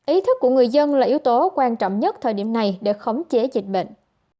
ý thức của người dân là yếu tố quan trọng nhất thời điểm này để khống chế dịch bệnh